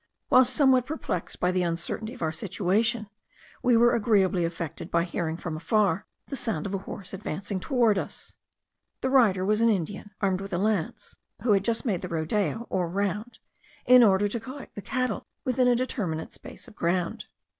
Whilst somewhat perplexed by the uncertainty of our situation, we were agreeably affected by hearing from afar the sound of a horse advancing towards us. The rider was an Indian, armed with a lance, who had just made the rodeo, or round, in order to collect the cattle within a determinate space of ground.